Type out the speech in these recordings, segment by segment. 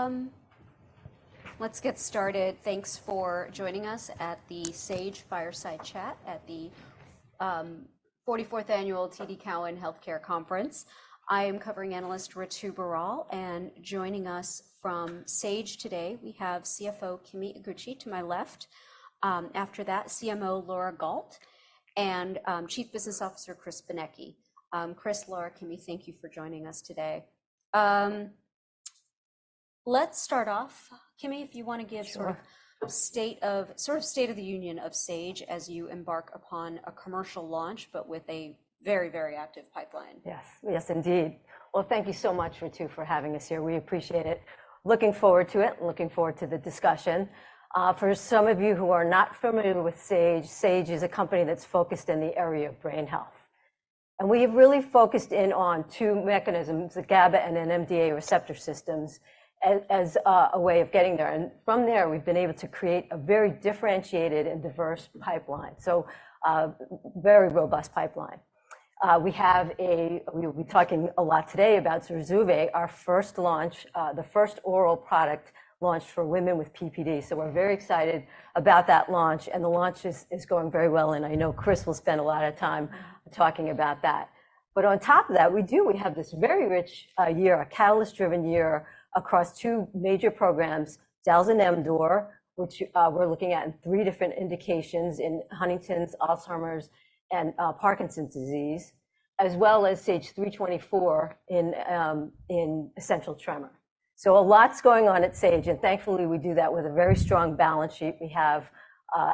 All right, let's get started. Thanks for joining us at the Sage Fireside Chat at the 44th Annual TD Cowen Health Care Conference. I am covering analyst Ritu Baral and joining us from Sage today. We have CFO Kimi Iguchi to my left. After that, CMO Laura Gault, and Chief Business Officer Chris Benecchi. Chris, Laura, Kimi, thank you for joining us today. Let's start off. Kimi, if you want to give sort of state of sort of state of the union of Sage as you embark upon a commercial launch, but with a very, very active pipeline. Yes, yes indeed. Well, thank you so much, Ritu, for having us here. We appreciate it. Looking forward to it, looking forward to the discussion. For some of you who are not familiar with Sage, Sage is a company that's focused in the area of brain health. And we have really focused in on two mechanisms, the GABA and NMDA receptor systems, as, as, a way of getting there. And from there, we've been able to create a very differentiated and diverse pipeline, so, very robust pipeline. We have a we'll be talking a lot today about ZURZUVAE, our first launch, the first oral product launched for women with PPD. So we're very excited about that launch, and the launch is, is going very well, and I know Chris will spend a lot of time talking about that. But on top of that, we have this very rich, a catalyst-driven year across two major programs, dalzanemdor, which we're looking at in three different indications in Huntington's, Alzheimer's, and Parkinson's disease, as well as SAGE-324 in essential tremor. So a lot's going on at Sage, and thankfully we do that with a very strong balance sheet. We have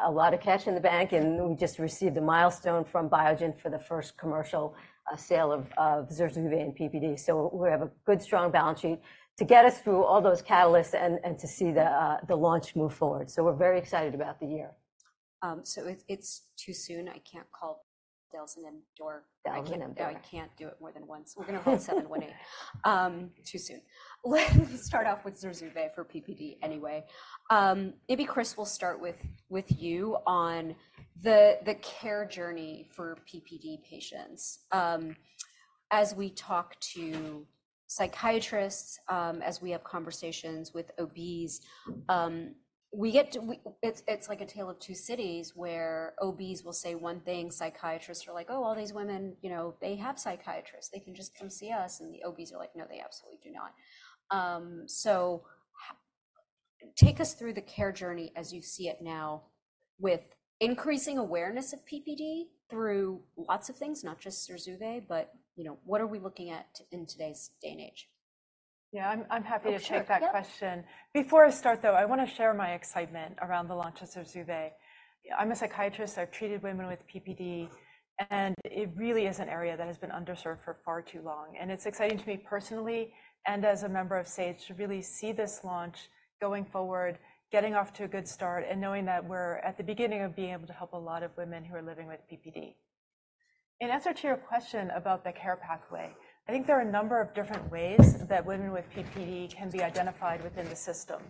a lot of cash in the bank, and we just received a milestone from Biogen for the first commercial sale of ZURZUVAE and PPD. So we have a good, strong balance sheet to get us through all those catalysts and to see the launch move forward. So we're very excited about the year. It's too soon. I can't call dalzanemdor. I can't do it more than once. We're going to hold SAGE-718 too soon. Let me start off with ZURZUVAE for PPD anyway. Maybe Chris will start with you on the care journey for PPD patients. As we talk to psychiatrists, as we have conversations with OBs, we get, it's like a tale of two cities where OBs will say one thing, psychiatrists are like, "Oh, all these women, you know, they have psychiatrists. They can just come see us." And the OBs are like, "No, they absolutely do not." Take us through the care journey as you see it now with increasing awareness of PPD through lots of things, not just ZURZUVAE, but, you know, what are we looking at in today's day and age? Yeah, I'm happy to take that question. Before I start, though, I want to share my excitement around the launch of ZURZUVAE. I'm a psychiatrist. I've treated women with PPD, and it really is an area that has been underserved for far too long. And it's exciting to me personally and as a member of Sage to really see this launch going forward, getting off to a good start, and knowing that we're at the beginning of being able to help a lot of women who are living with PPD. In answer to your question about the care pathway, I think there are a number of different ways that women with PPD can be identified within the system.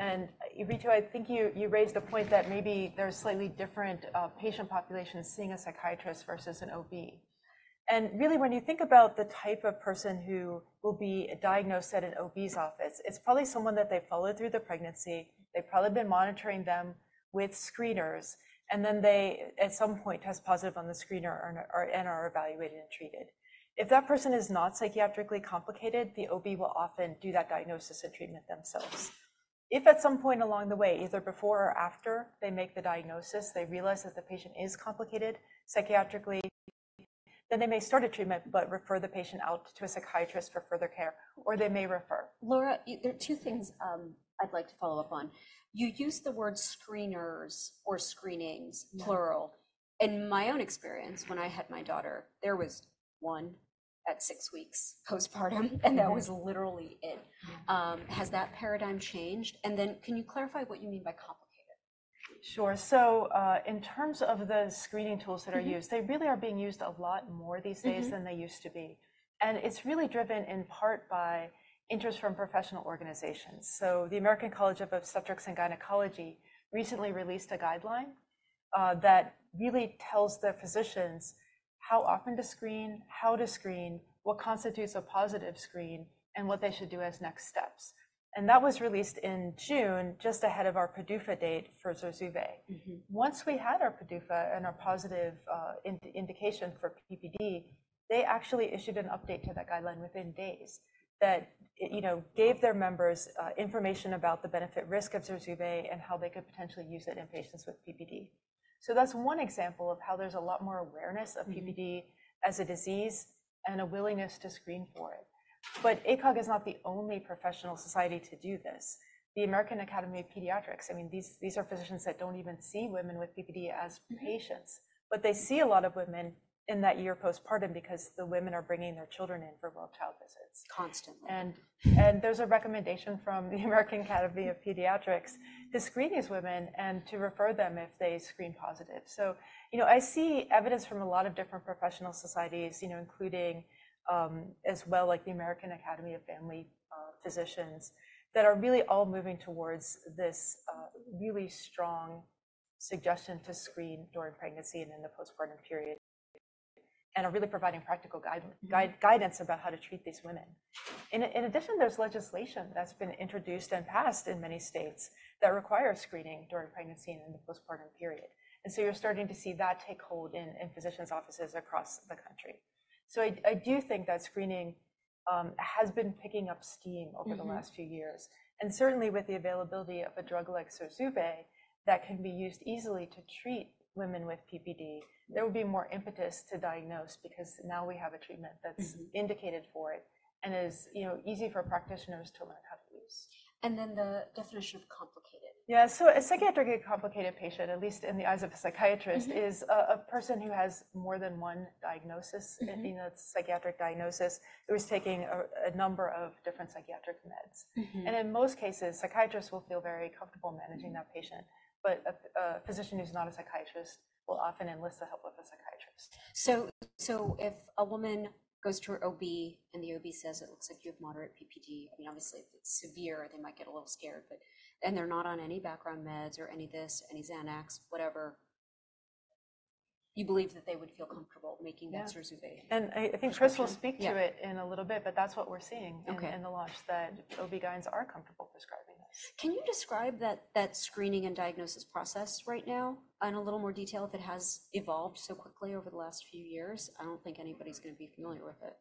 And, Ritu, I think you raised the point that maybe there are slightly different patient populations seeing a psychiatrist versus an OB. Really, when you think about the type of person who will be diagnosed at an OB's office, it's probably someone that they followed through the pregnancy. They've probably been monitoring them with screeners, and then they at some point test positive on the screener and are evaluated and treated. If that person is not psychiatrically complicated, the OB will often do that diagnosis and treatment themselves. If at some point along the way, either before or after they make the diagnosis, they realize that the patient is complicated psychiatrically, then they may start a treatment but refer the patient out to a psychiatrist for further care, or they may refer. Laura, there are two things, I'd like to follow up on. You used the word screeners or screenings, plural. In my own experience, when I had my daughter, there was one at six weeks postpartum, and that was literally it. Has that paradigm changed? And then can you clarify what you mean by complicated? Sure. So, in terms of the screening tools that are used, they really are being used a lot more these days than they used to be. And it's really driven in part by interest from professional organizations. So the American College of Obstetricians and Gynecologists recently released a guideline, that really tells the physicians how often to screen, how to screen, what constitutes a positive screen, and what they should do as next steps. And that was released in June just ahead of our PDUFA date for ZURZUVAE. Once we had our PDUFA and our positive indication for PPD, they actually issued an update to that guideline within days that, you know, gave their members information about the benefit-risk of ZURZUVAE and how they could potentially use it in patients with PPD. So that's one example of how there's a lot more awareness of PPD as a disease and a willingness to screen for it. But ACOG is not the only professional society to do this. The American Academy of Pediatrics, I mean, these, these are physicians that don't even see women with PPD as patients, but they see a lot of women in that year postpartum because the women are bringing their children in for well-child visits. Constantly. And there's a recommendation from the American Academy of Pediatrics to screen these women and to refer them if they screen positive. So, you know, I see evidence from a lot of different professional societies, you know, including, as well, like the American Academy of Family Physicians, that are really all moving towards this, really strong suggestion to screen during pregnancy and in the postpartum period and are really providing practical guidance about how to treat these women. In addition, there's legislation that's been introduced and passed in many states that requires screening during pregnancy and in the postpartum period. And so you're starting to see that take hold in physicians' offices across the country. So I do think that screening has been picking up steam over the last few years. Certainly, with the availability of a drug like ZURZUVAE, that can be used easily to treat women with PPD, there will be more impetus to diagnose because now we have a treatment that's indicated for it and is, you know, easy for practitioners to learn how to use. And then the definition of complicated. Yeah. So a psychiatrically complicated patient, at least in the eyes of a psychiatrist, is a person who has more than one diagnosis, you know, psychiatric diagnosis. It was taking a number of different psychiatric meds. And in most cases, psychiatrists will feel very comfortable managing that patient, but a physician who's not a psychiatrist will often enlist the help of a psychiatrist. So, so if a woman goes to her OB and the OB says, "It looks like you have moderate PPD," I mean, obviously, if it's severe, they might get a little scared, but and they're not on any background meds or any this, any Xanax, whatever, you believe that they would feel comfortable making that ZURZUVAE. Yeah. I think Chris will speak to it in a little bit, but that's what we're seeing in the launch, that OB/GYNs are comfortable prescribing this. Can you describe that, that screening and diagnosis process right now in a little more detail, if it has evolved so quickly over the last few years? I don't think anybody's going to be familiar with it.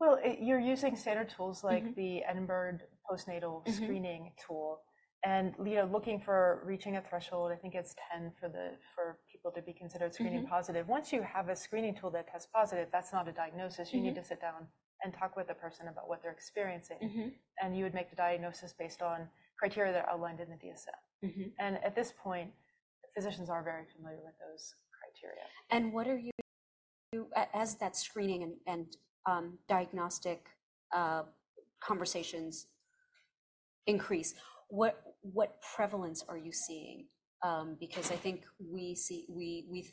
Well, you're using standard tools like the Edinburgh Postnatal Screening Tool and, you know, looking for reaching a threshold. I think it's 10 for people to be considered screening positive. Once you have a screening tool that tests positive, that's not a diagnosis. You need to sit down and talk with the person about what they're experiencing, and you would make the diagnosis based on criteria that are outlined in the DSM. And at this point, physicians are very familiar with those criteria. And what are you seeing as that screening and diagnostic conversations increase, what prevalence are you seeing? Because I think we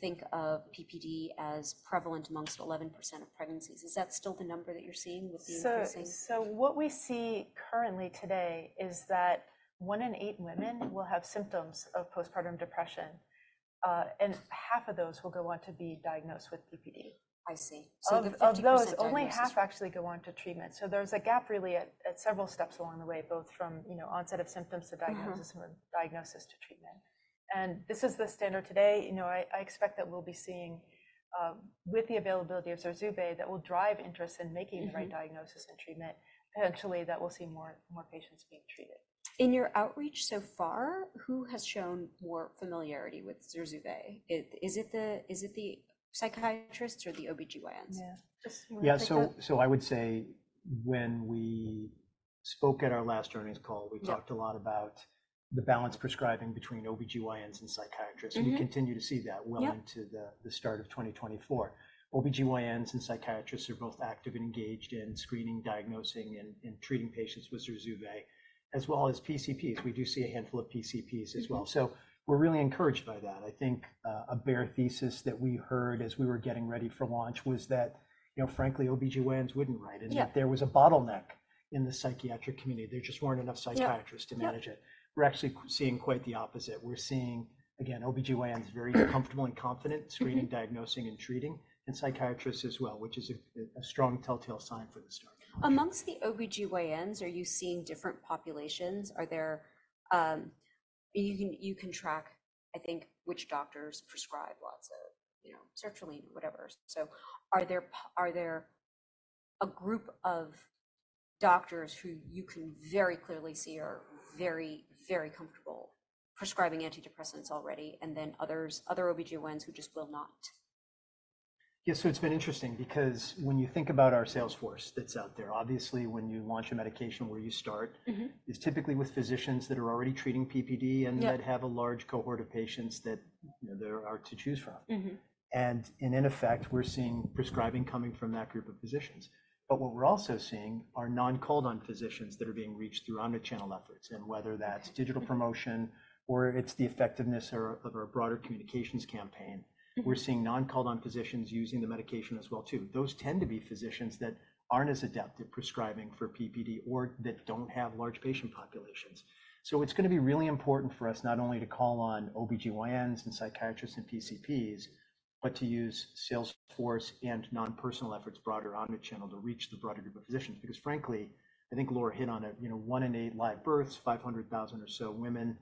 think of PPD as prevalent amongst 11% of pregnancies. Is that still the number that you're seeing with the increasing? So, what we see currently today is that 1 in 8 women will have symptoms of postpartum depression, and half of those will go on to be diagnosed with PPD. I see. So the 50%. So of those, only half actually go on to treatment. So there's a gap really at several steps along the way, both from, you know, onset of symptoms to diagnosis, from diagnosis to treatment. And this is the standard today. You know, I expect that we'll be seeing, with the availability of ZURZUVAE, that will drive interest in making the right diagnosis and treatment. Eventually, that we'll see more, more patients being treated. In your outreach so far, who has shown more familiarity with ZURZUVAE? Is it the psychiatrists or the OB/GYNs? Yeah. Just want to clarify. Yeah. So I would say when we spoke at our last earnings call, we talked a lot about the balance prescribing between OB/GYNs and psychiatrists, and we continue to see that well into the start of 2024. OB/GYNs and psychiatrists are both active and engaged in screening, diagnosing, and treating patients with ZURZUVAE, as well as PCPs. We do see a handful of PCPs as well. So we're really encouraged by that. I think a bear thesis that we heard as we were getting ready for launch was that, you know, frankly, OB/GYNs wouldn't write it, that there was a bottleneck in the psychiatric community. There just weren't enough psychiatrists to manage it. We're actually seeing quite the opposite. We're seeing, again, OB/GYNs very comfortable and confident screening, diagnosing, and treating, and psychiatrists as well, which is a strong telltale sign for the start. Among the OB/GYNs, are you seeing different populations? Are there you can track, I think, which doctors prescribe lots of, you know, sertraline or whatever. So are there a group of doctors who you can very clearly see are very, very comfortable prescribing antidepressants already, and then others, other OB/GYNs who just will not? Yeah. So it's been interesting because when you think about our sales force that's out there, obviously, when you launch a medication, where you start is typically with physicians that are already treating PPD and that have a large cohort of patients that, you know, there are to choose from. And in effect, we're seeing prescribing coming from that group of physicians. But what we're also seeing are non-called-on physicians that are being reached through omnichannel efforts, and whether that's digital promotion or it's the effectiveness of our broader communications campaign, we're seeing non-called-on physicians using the medication as well, too. Those tend to be physicians that aren't as adept at prescribing for PPD or that don't have large patient populations. It's going to be really important for us not only to call on OB/GYNs and psychiatrists and PCPs, but to use sales force and non-personal efforts, broader omnichannel, to reach the broader group of physicians. Because frankly, I think Laura hit on it, you know, one in eight live births, 500,000 or so women,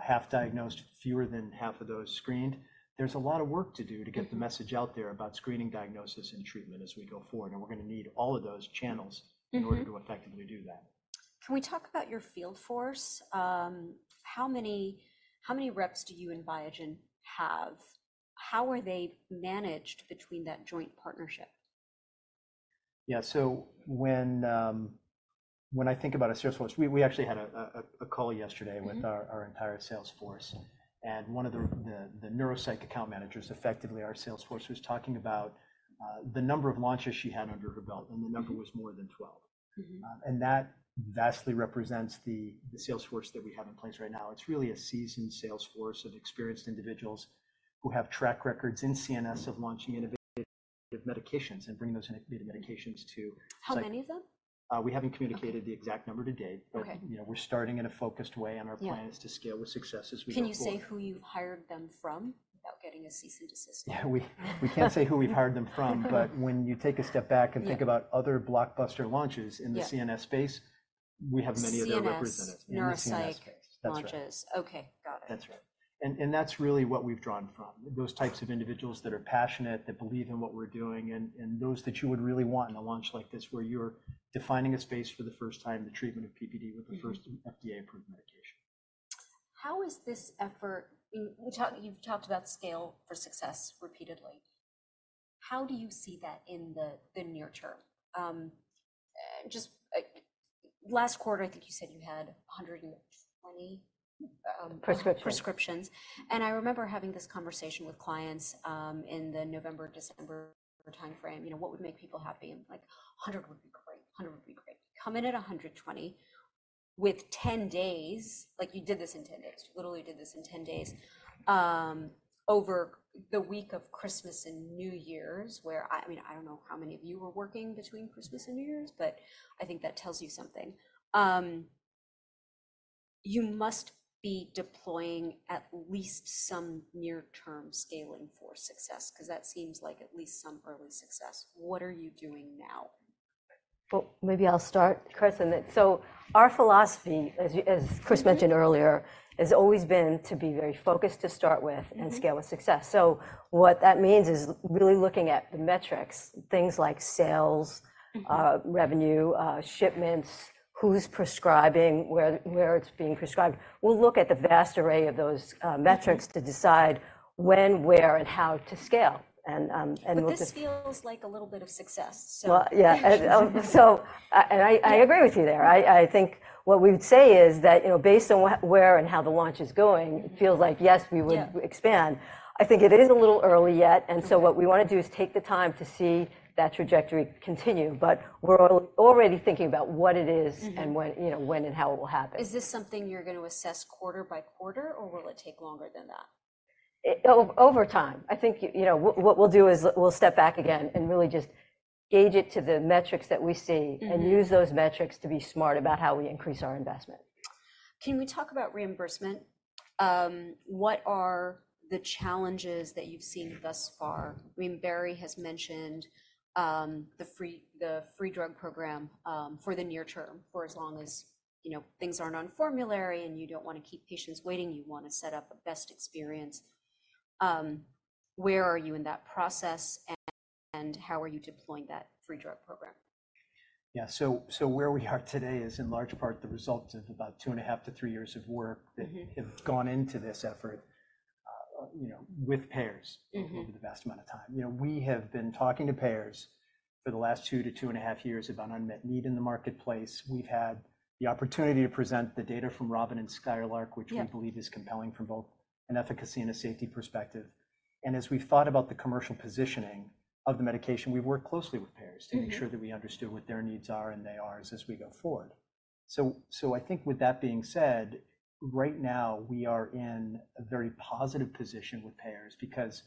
half diagnosed, fewer than half of those screened. There's a lot of work to do to get the message out there about screening, diagnosis, and treatment as we go forward. We're going to need all of those channels in order to effectively do that. Can we talk about your field force? How many reps do you and Biogen have? How are they managed between that joint partnership? Yeah. So when I think about a sales force, we actually had a call yesterday with our entire sales force, and one of the neuropsych account managers, effectively our sales force, was talking about the number of launches she had under her belt, and the number was more than 12. And that vastly represents the sales force that we have in place right now. It's really a seasoned sales force of experienced individuals who have track records in CNS of launching innovative medications and bringing those innovative medications to healthcare. How many of them? We haven't communicated the exact number to date, but, you know, we're starting in a focused way, and our plan is to scale with success as we go forward. Can you say who you've hired them from without getting a seasoned assistant? Yeah. We can't say who we've hired them from, but when you take a step back and think about other blockbuster launches in the CNS space, we have many of them represented in the CNS space. Neuropsych launches. Okay. Got it. That's right. And that's really what we've drawn from, those types of individuals that are passionate, that believe in what we're doing, and those that you would really want in a launch like this where you're defining a space for the first time, the treatment of PPD with the first FDA-approved medication. How is this effort you've talked about scale for success repeatedly? How do you see that in the near term? Just last quarter, I think you said you had 120 prescriptions. I remember having this conversation with clients, in the November, December timeframe. You know, what would make people happy? And like, "100 would be great. 100 would be great." Come in at 120 with 10 days like, you did this in 10 days. You literally did this in 10 days, over the week of Christmas and New Year's, where I mean, I don't know how many of you were working between Christmas and New Year's, but I think that tells you something. You must be deploying at least some near-term scaling for success because that seems like at least some early success. What are you doing now? Well, maybe I'll start, Chris, in that. So our philosophy, as you as Chris mentioned earlier, has always been to be very focused to start with and scale with success. So what that means is really looking at the metrics, things like sales, revenue, shipments, who's prescribing, where, where it's being prescribed. We'll look at the vast array of those metrics to decide when, where, and how to scale. And we'll just. But this feels like a little bit of success, so. Well, yeah. And so I agree with you there. I think what we would say is that, you know, based on where and how the launch is going, it feels like, yes, we would expand. I think it is a little early yet. And so what we want to do is take the time to see that trajectory continue, but we're already thinking about what it is and when, you know, when and how it will happen. Is this something you're going to assess quarter-by-quarter, or will it take longer than that? Over time, I think, you know, what we'll do is we'll step back again and really just gauge it to the metrics that we see and use those metrics to be smart about how we increase our investment. Can we talk about reimbursement? What are the challenges that you've seen thus far? I mean, Barry has mentioned the free drug program, for the near term, for as long as, you know, things are not on formulary and you don't want to keep patients waiting. You want to set up a best experience. Where are you in that process, and how are you deploying that free drug program? Yeah. So where we are today is in large part the result of about 2.5-3 years of work that have gone into this effort, you know, with payers over the vast amount of time. You know, we have been talking to payers for the last 2-2.5 years about unmet need in the marketplace. We've had the opportunity to present the data from ROBIN and SKYLARK, which we believe is compelling from both an efficacy and a safety perspective. And as we've thought about the commercial positioning of the medication, we've worked closely with payers to make sure that we understood what their needs are and they are as we go forward. So I think with that being said, right now, we are in a very positive position with payers because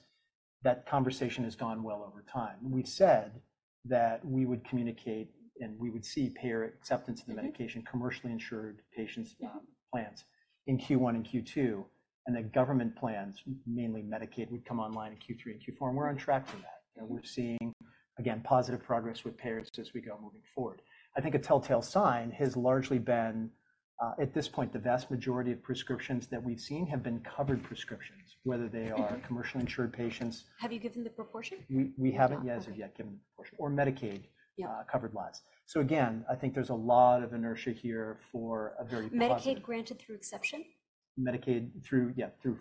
that conversation has gone well over time. We've said that we would communicate and we would see payer acceptance of the medication, commercially insured patients' plans in Q1 and Q2, and that government plans, mainly Medicaid, would come online in Q3 and Q4. We're on track for that. You know, we're seeing, again, positive progress with payers as we go moving forward. I think a telltale sign has largely been, at this point, the vast majority of prescriptions that we've seen have been covered prescriptions, whether they are commercially insured patients. Have you given the proportion? We haven't as of yet given the proportion, or Medicaid-covered lots. So again, I think there's a lot of inertia here for a very positive. Medicaid granted through exception? Medicaid through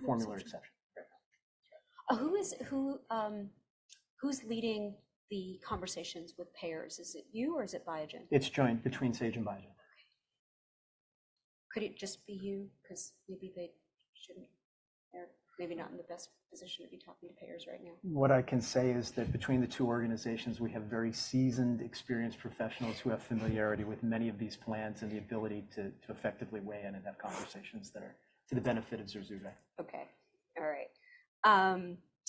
formulary exception. Who is who, who's leading the conversations with payers? Is it you, or is it Biogen? It's joined between Sage and Biogen. Could it just be you because maybe they shouldn't, maybe not in the best position to be talking to payers right now? What I can say is that between the two organizations, we have very seasoned, experienced professionals who have familiarity with many of these plans and the ability to effectively weigh in and have conversations that are to the benefit of ZURZUVAE. Okay. All right.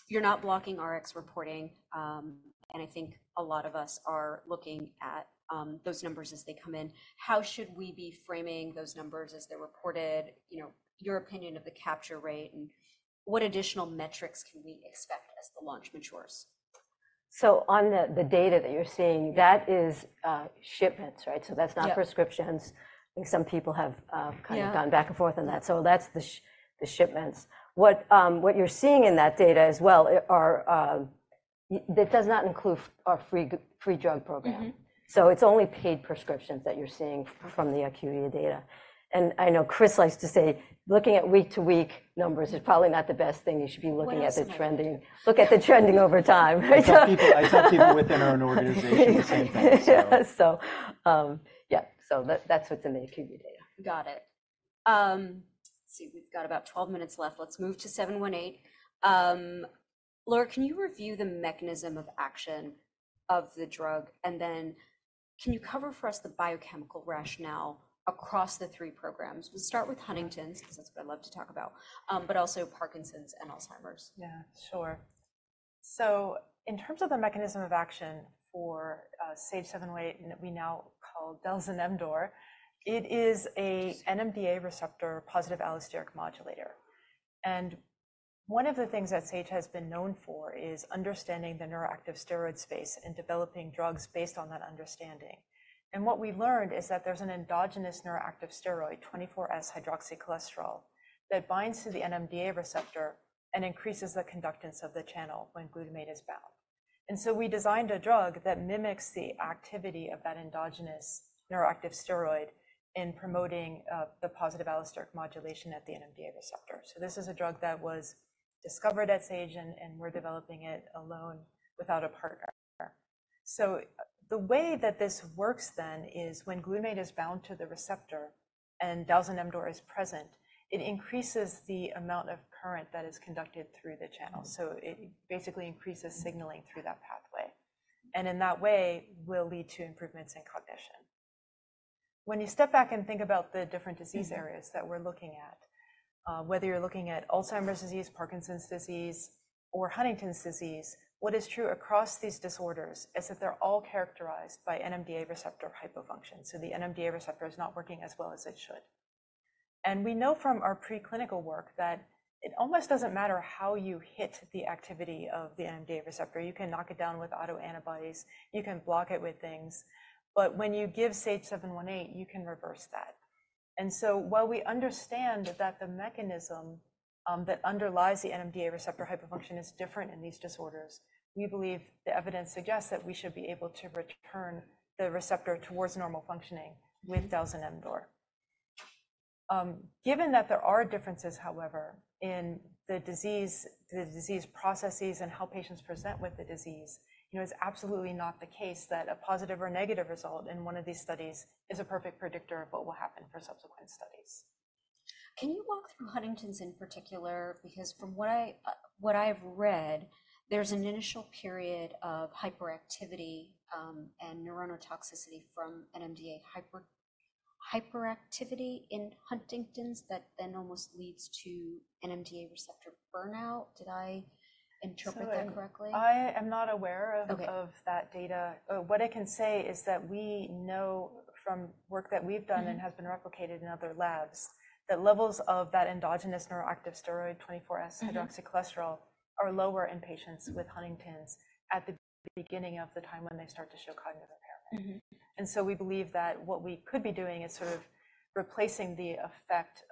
You're not blocking Rx reporting, and I think a lot of us are looking at those numbers as they come in. How should we be framing those numbers as they're reported? You know, your opinion of the capture rate and what additional metrics can we expect as the launch matures? So on the data that you're seeing, that is shipments, right? So that's not prescriptions. I think some people have kind of gone back and forth on that. So that's the shipments. What you're seeing in that data as well are that does not include our free drug program. So it's only paid prescriptions that you're seeing from the IQVIA data. And I know Chris likes to say, "Looking at week-to-week numbers is probably not the best thing. You should be looking at the trending over time," right? I tell people within our own organization the same thing, so. Yeah. So, yeah. So that, that's what's in the IQVIA data. Got it. Let's see. We've got about 12 minutes left. Let's move to SAGE-718. Laura, can you review the mechanism of action of the drug? And then can you cover for us the biochemical rationale across the three programs? We'll start with Huntington's because that's what I love to talk about, but also Parkinson's and Alzheimer's. Yeah. Sure. So in terms of the mechanism of action for SAGE-718 that we now call dalzanemdor, it is an NMDA receptor positive allosteric modulator. And one of the things that Sage has been known for is understanding the neuroactive steroid space and developing drugs based on that understanding. And what we learned is that there's an endogenous neuroactive steroid, 24S-hydroxycholesterol, that binds to the NMDA receptor and increases the conductance of the channel when glutamate is bound. And so we designed a drug that mimics the activity of that endogenous neuroactive steroid in promoting the positive allosteric modulation at the NMDA receptor. So this is a drug that was discovered at Sage, and we're developing it alone without a partner. So the way that this works then is when glutamate is bound to the receptor and dalzanemdor is present, it increases the amount of current that is conducted through the channel. So it basically increases signaling through that pathway. And in that way, will lead to improvements in cognition. When you step back and think about the different disease areas that we're looking at, whether you're looking at Alzheimer's disease, Parkinson's disease, or Huntington's disease, what is true across these disorders is that they're all characterized by NMDA receptor hypofunction. So the NMDA receptor is not working as well as it should. And we know from our preclinical work that it almost doesn't matter how you hit the activity of the NMDA receptor. You can knock it down with autoantibodies. You can block it with things. But when you give SAGE-718, you can reverse that. While we understand that the mechanism that underlies the NMDA receptor hypofunction is different in these disorders, we believe the evidence suggests that we should be able to return the receptor towards normal functioning with dalzanemdor. Given that there are differences, however, in the disease processes and how patients present with the disease, you know, it's absolutely not the case that a positive or negative result in one of these studies is a perfect predictor of what will happen for subsequent studies. Can you walk through Huntington's in particular? Because from what I've read, there's an initial period of hyperactivity, and neurotoxicity from NMDA hyperactivity in Huntington's that then almost leads to NMDA receptor burnout. Did I interpret that correctly? So I am not aware of that data. What I can say is that we know from work that we've done and has been replicated in other labs that levels of that endogenous neuroactive steroid, 24S-hydroxycholesterol, are lower in patients with Huntington's at the beginning of the time when they start to show cognitive impairment. And so we believe that what we could be doing is sort of replacing the effect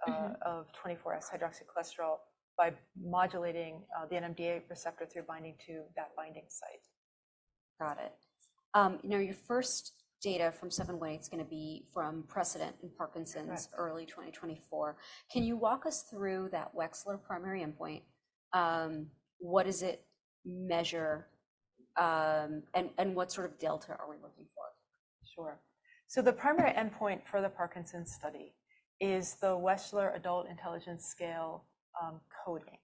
of 24S-hydroxycholesterol by modulating the NMDA receptor through binding to that binding site. Got it. You know, your first data from SAGE-718 is going to be from PRECEDENT in Parkinson's, early 2024. Can you walk us through that Wechsler primary endpoint? What does it measure, and, and what sort of delta are we looking for? Sure. So the primary endpoint for the Parkinson's study is the Wechsler Adult Intelligence Scale Coding.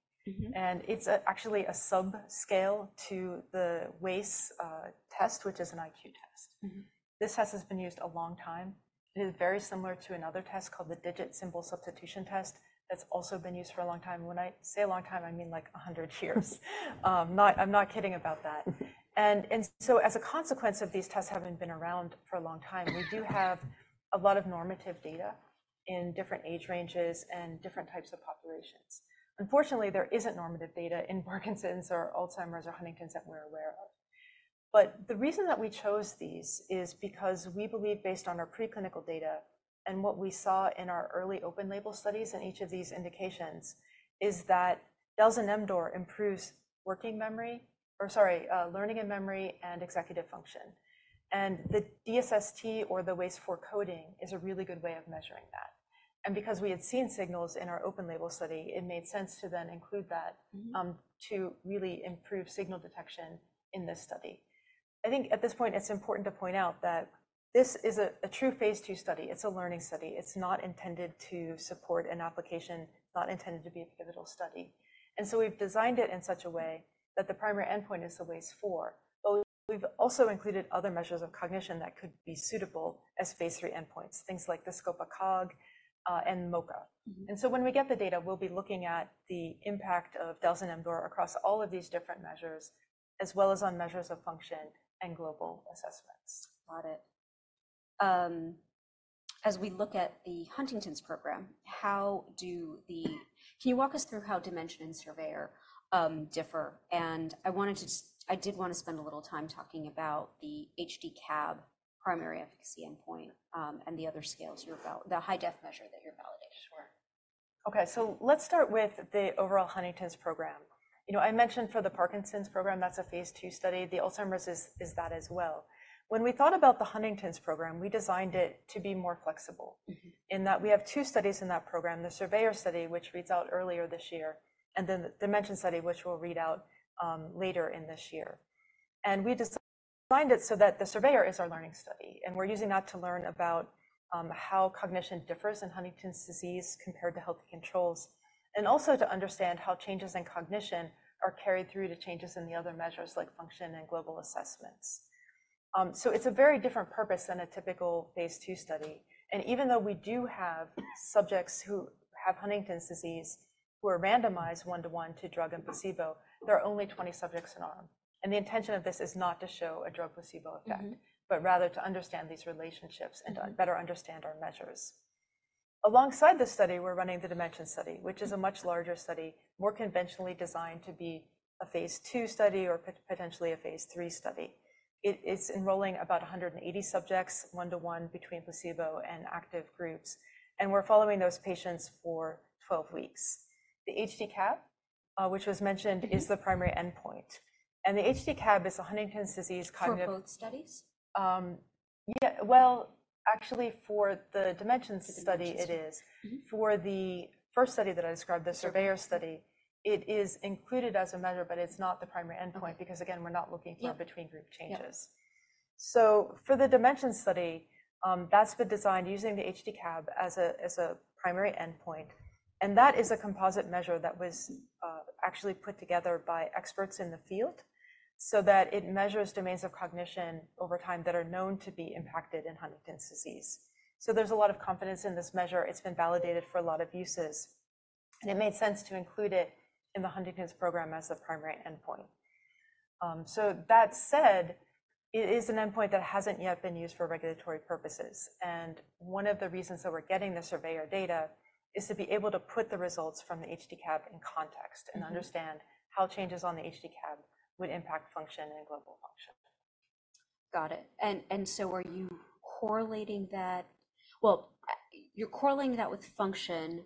And it's actually a subscale to the WAIS test, which is an IQ test. This test has been used a long time. It is very similar to another test called the Digit Symbol Substitution Test that's also been used for a long time. And when I say a long time, I mean like 100 years. No, I'm not kidding about that. And so as a consequence of these tests having been around for a long time, we do have a lot of normative data in different age ranges and different types of populations. Unfortunately, there isn't normative data in Parkinson's or Alzheimer's or Huntington's that we're aware of. But the reason that we chose these is because we believe, based on our preclinical data and what we saw in our early open-label studies in each of these indications, is that dalzanemdor improves working memory or sorry, learning and memory and executive function. The DSST or the WAIS-IV Coding is a really good way of measuring that. Because we had seen signals in our open-label study, it made sense to then include that, to really improve signal detection in this study. I think at this point, it's important to point out that this is a true phase 2 study. It's a learning study. It's not intended to support an application, not intended to be a pivotal study. We've designed it in such a way that the primary endpoint is the WAIS-IV, but we've also included other measures of cognition that could be suitable as phase III endpoints, things like the SCOPA-COG, and MoCA. When we get the data, we'll be looking at the impact of dalzanemdor across all of these different measures, as well as on measures of function and global assessments. Got it. As we look at the Huntington's program, how do they differ? Can you walk us through how DIMENSION and SURVEYOR differ? And I wanted to spend a little time talking about the HD-CAB primary efficacy endpoint, and the other scales, the Hi-DEF measure that you're validating. Sure. Okay. So let's start with the overall Huntington's program. You know, I mentioned for the Parkinson's program, that's a phase II study. The Alzheimer's is, is that as well. When we thought about the Huntington's program, we designed it to be more flexible in that we have two studies in that program, the SURVEYOR study, which reads out earlier this year, and then the DIMENSION study, which will read out later in this year. And we designed it so that the SURVEYOR is our learning study, and we're using that to learn about how cognition differs in Huntington's disease compared to healthy controls, and also to understand how changes in cognition are carried through to changes in the other measures like function and global assessments. So it's a very different purpose than a typical phase II study. And even though we do have subjects who have Huntington's disease who are randomized 1:1 to drug and placebo, there are only 20 subjects in arm. And the intention of this is not to show a drug-placebo effect, but rather to understand these relationships and better understand our measures. Alongside this study, we're running the DIMENSION study, which is a much larger study, more conventionally designed to be a phase II study or potentially a phase III study. It's enrolling about 180 subjects 1:1 between placebo and active groups. And we're following those patients for 12 weeks. The HD-CAB, which was mentioned, is the primary endpoint. And the HD-CAB is the Huntington's disease cognitive. For both studies? Yeah. Well, actually, for the DIMENSION study, it is. For the first study that I described, the SURVEYOR study, it is included as a measure, but it's not the primary endpoint because, again, we're not looking for between-group changes. So for the DIMENSION study, that's been designed using the HD-CAB as a primary endpoint. And that is a composite measure that was, actually, put together by experts in the field so that it measures domains of cognition over time that are known to be impacted in Huntington's disease. So there's a lot of confidence in this measure. It's been validated for a lot of uses. And it made sense to include it in the Huntington's program as a primary endpoint. So that said, it is an endpoint that hasn't yet been used for regulatory purposes. One of the reasons that we're getting the SURVEYOR data is to be able to put the results from the HD-CAB in context and understand how changes on the HD-CAB would impact function and global function. Got it. And so are you correlating that well, you're correlating that with function.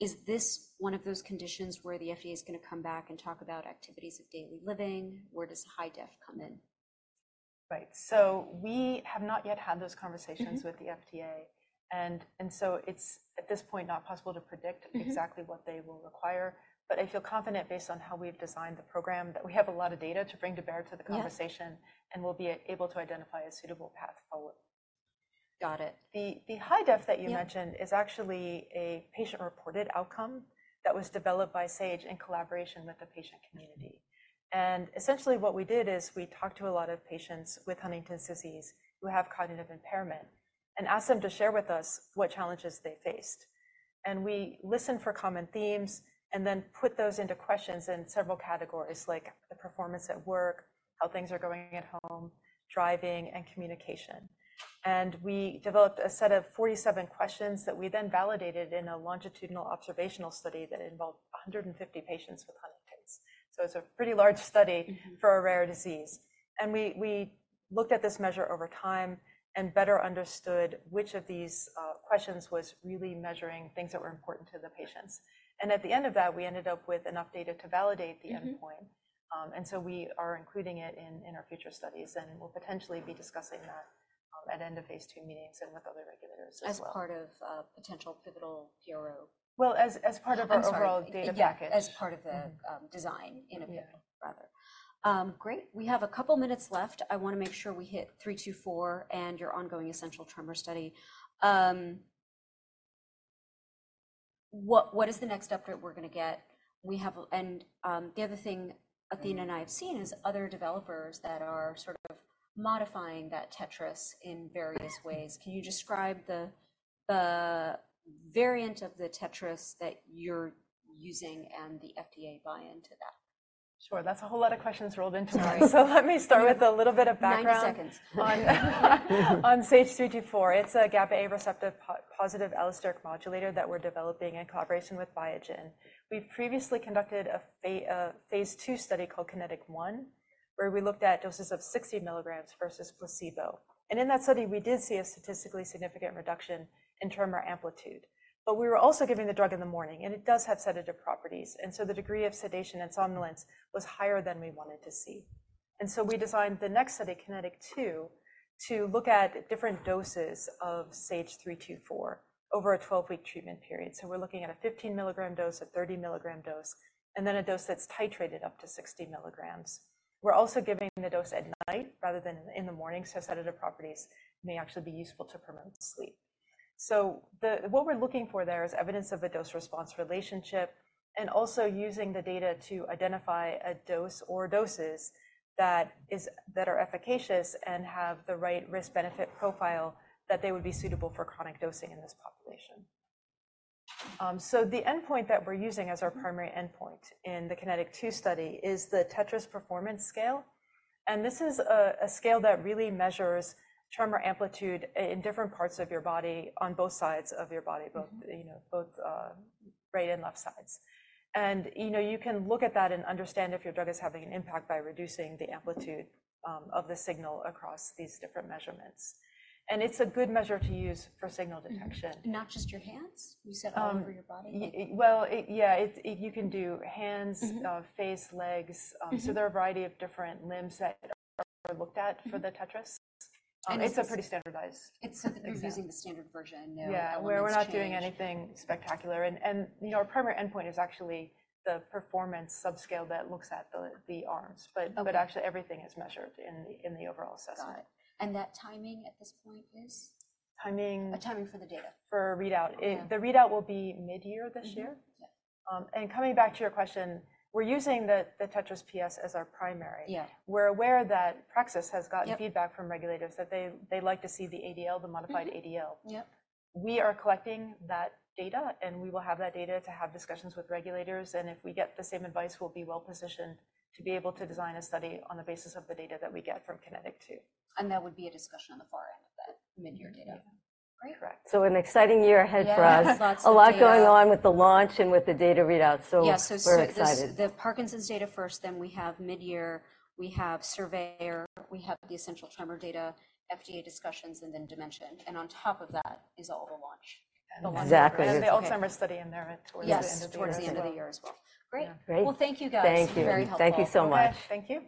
Is this one of those conditions where the FDA is going to come back and talk about activities of daily living? Where does Hi-DEF come in? Right. So we have not yet had those conversations with the FDA. And so it's at this point not possible to predict exactly what they will require. But I feel confident, based on how we've designed the program, that we have a lot of data to bring to bear to the conversation and we'll be able to identify a suitable path forward. Got it. The Hi-DEF that you mentioned is actually a patient-reported outcome that was developed by Sage in collaboration with the patient community. Essentially, what we did is we talked to a lot of patients with Huntington's disease who have cognitive impairment and asked them to share with us what challenges they faced. We listened for common themes and then put those into questions in several categories, like the performance at work, how things are going at home, driving, and communication. We developed a set of 47 questions that we then validated in a longitudinal observational study that involved 150 patients with Huntington's. So it's a pretty large study for a rare disease. We looked at this measure over time and better understood which of these questions was really measuring things that were important to the patients. At the end of that, we ended up with enough data to validate the endpoint. So we are including it in our future studies. We'll potentially be discussing that at the end of phase II meetings and with other regulators as well. As part of potential pivotal PRO? Well, as part of our overall data package. As part of the design in a pivot rather great. We have a couple minutes left. I want to make sure we hit SAGE-324 and your ongoing essential tremor study. What is the next update we're going to get? We have, and the other thing Athena and I have seen is other developers that are sort of modifying that TETRAS in various ways. Can you describe the variant of the TETRAS that you're using and the FDA buy-in to that? Sure. That's a whole lot of questions rolled into mine. So let me start with a little bit of background. 90 seconds. On SAGE-324. It's a GABA receptor positive allosteric modulator that we're developing in collaboration with Biogen. We've previously conducted a phase II study called KINETIC 1, where we looked at doses of 60 milligrams versus placebo. And in that study, we did see a statistically significant reduction in tremor amplitude. But we were also giving the drug in the morning, and it does have sedative properties. And so the degree of sedation and somnolence was higher than we wanted to see. And so we designed the next study, KINETIC 2, to look at different doses of SAGE-324 over a 12-week treatment period. So we're looking at a 15-milligram dose, a 30-milligram dose, and then a dose that's titrated up to 60 milligrams. We're also giving the dose at night rather than in the morning so sedative properties may actually be useful to promote sleep. So, what we're looking for there is evidence of a dose-response relationship and also using the data to identify a dose or doses that is that are efficacious and have the right risk-benefit profile that they would be suitable for chronic dosing in this population. So the endpoint that we're using as our primary endpoint in the KINETIC 2 study is the TETRAS Performance Scale. And this is a scale that really measures tremor amplitude in different parts of your body on both sides of your body, both, you know, both, right and left sides. And, you know, you can look at that and understand if your drug is having an impact by reducing the amplitude of the signal across these different measurements. And it's a good measure to use for signal detection. Not just your hands? You said all over your body? Well, yeah. If you can do hands, face, legs. So there are a variety of different limbs that are looked at for the TETRAS. It's a pretty standardized. It's so that you're using the standard version. No. Yeah. We're not doing anything spectacular. And, you know, our primary endpoint is actually the performance subscale that looks at the arms. But actually, everything is measured in the overall assessment. Got it. That timing at this point is? Timing. A timing for the data. For readout. The readout will be mid-year this year. Coming back to your question, we're using the TETRAS PS as our primary. We're aware that Praxis has gotten feedback from regulators that they like to see the ADL, the modified ADL. We are collecting that data, and we will have that data to have discussions with regulators. And if we get the same advice, we'll be well-positioned to be able to design a study on the basis of the data that we get from KINETIC 2. There would be a discussion on the far end of that mid-year data. Great. Correct. So an exciting year ahead for us. A lot going on with the launch and with the data readout. So we're excited. Yeah. So the Parkinson's data first, then we have mid-year. We have SURVEYOR. We have the essential tremor data, FDA discussions, and then DIMENSION. And on top of that is all the launch. Exactly. The Alzheimer's study in there towards the end of the year. Yes. Towards the end of the year as well. Great. Well, thank you, guys. Thank you. You're very helpful. Thank you so much. Okay. Thank you.